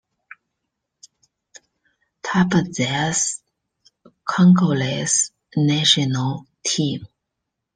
Tubizethe Congolese national team.